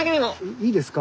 いいですか？